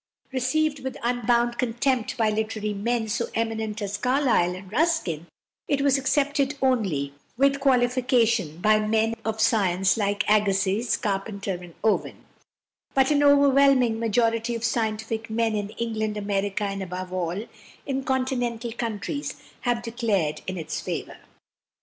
Received with unbounded contempt by literary men so eminent as Carlyle and Ruskin, it was accepted only with qualification by men of science like Agassiz, Carpenter, and Owen; but an overwhelming majority of scientific men in England, America, and above all in Continental countries, have declared in its favour.